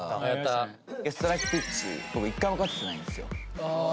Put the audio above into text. ストライクピッチング僕１回も勝ててないんですよ。